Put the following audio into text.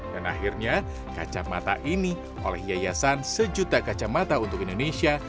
dan akhirnya kacamata ini oleh yayasan sejuta kacamata untuk indonesia